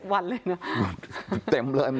๗วันเลยเนี่ย